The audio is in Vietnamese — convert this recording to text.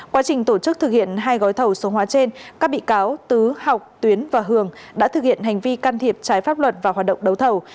quá trình tổ chức thực hiện hai gói thầu số hóa trên các bị cáo tứ học tuyến và hường đã thực hiện hành vi can thiệp trái pháp luật và hoạt động đấu thầu